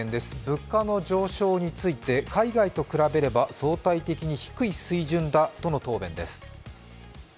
物価の上昇について海外と比べれば相対的に低い水準だとの答弁です。